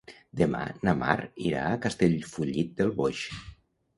Demà na Mar irà a Castellfollit del Boix.